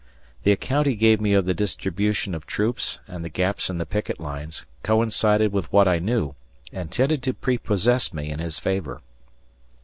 The account he gave me of the distribution of troops and the gaps in the picket lines coincided with what I knew and tended to prepossess me in his favor.